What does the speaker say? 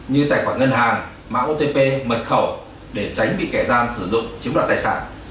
như tài khoản ngân hàng mã otp mật khẩu để tránh bị kẻ gian sử dụng chiếm đoạt tài sản